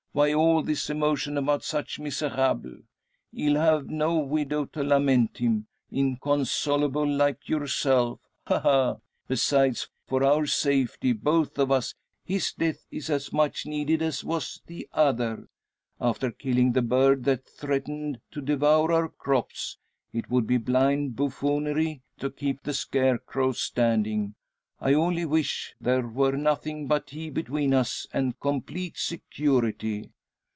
"Why all this emotion about such a miserable? He'll have no widow to lament him inconsolable like yourself. Ha! ha! Besides, for our safety both of us his death is as much needed as was the other. After killing the bird that threatened to devour our crops, it would be blind buffoonery to keep the scarecrow standing. I only wish, there were nothing but he between us, and complete security."